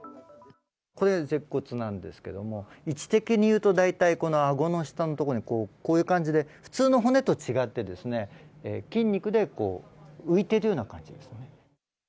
これが舌骨なんですけども位置的にいうと大体あごの下のところにこういう感じで普通の骨と違って筋肉で浮いているような形です。